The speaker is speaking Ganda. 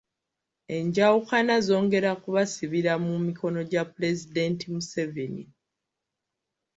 Enjawukana zongera kubasibira mu mikono gya Pulezidenti Museveni.